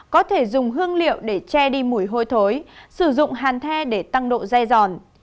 có thể dùng hương liệu để che đi mùi hôi thối sử dụng hàn the để tăng độ dai giòn